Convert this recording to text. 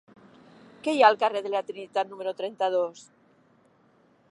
Què hi ha al carrer de la Trinitat número trenta-dos?